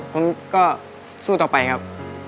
ผมก็สู้ต่อไปครับ